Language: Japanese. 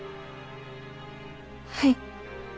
はい。